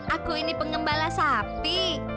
aku ini pengembala sapi